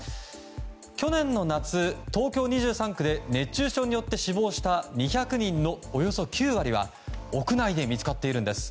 去年の夏東京２３区で熱中症によって死亡した２００人のおよそ９割は屋内で見つかっているんです。